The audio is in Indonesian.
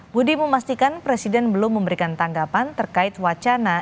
budi memastikan presiden belum memberikan tanggapan terkait wacana